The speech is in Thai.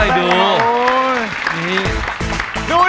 กิเลนพยองครับ